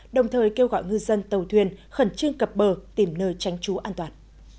đồng thời kêu gọi ngư dân tàu thuyền khẩn trương cập bờ tìm nơi tránh trú an toàn